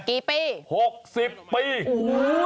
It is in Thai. กี่ปี๖๐ปีโอ้โห